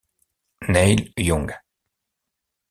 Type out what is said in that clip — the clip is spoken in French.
Neil Young.